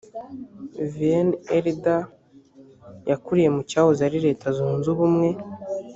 vienne eldar yakuriye mu cyahoze ari leta zunze ubumwe